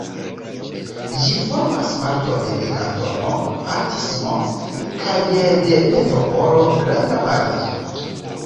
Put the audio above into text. Ĝi formas parton de kantono Athis-Mons kaj de Metropolo Granda Parizo.